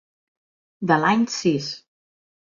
De l'any sis.